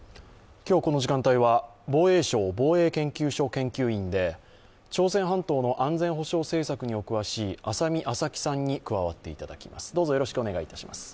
今日この時間帯は防衛省防衛研究所研究員で朝鮮半島の安全保障政策にお詳しい浅見明咲さんに加わっていただきます。